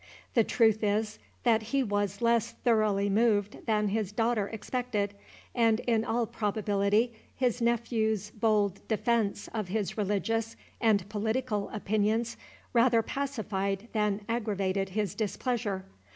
The truth is, that he was less thoroughly moved than his daughter expected; and in all probability his nephew's bold defence of his religious and political opinions rather pacified than aggravated his displeasure.